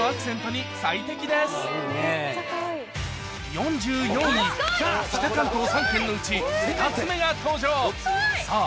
４４位北関東３県のうち２つ目が登場こい！